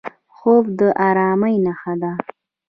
خوب د ارامۍ نښه ده